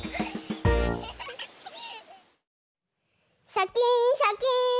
シャキーンシャキーン！